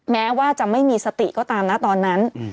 แม้ว่าจะไม่มีสติก็ตามนะตอนนั้น